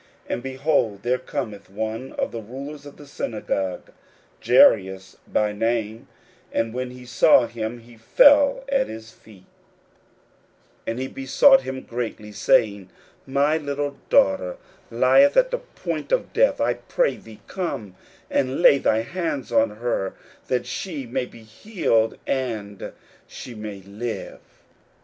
41:005:022 And, behold, there cometh one of the rulers of the synagogue, Jairus by name; and when he saw him, he fell at his feet, 41:005:023 And besought him greatly, saying, My little daughter lieth at the point of death: I pray thee, come and lay thy hands on her, that she may be healed; and she shall live.